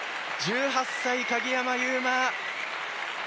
１８歳、鍵山優真。